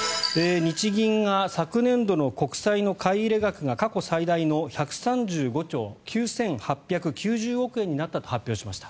日銀が昨年度の国債の買い入れ額が過去最大の１３５兆９８９０億円になったと発表しました。